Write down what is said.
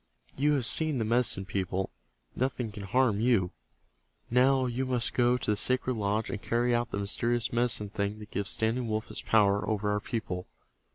You have seen the Medicine People. Nothing can harm you. Now you must go to the sacred lodge, and carry out the mysterious Medicine Thing that gives Standing Wolf his power over our people.